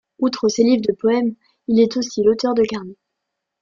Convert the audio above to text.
Outre ses livres de poèmes, il est aussi l'auteur de carnets.